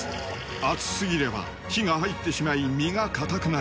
熱すぎれば火が入ってしまい身が固くなる。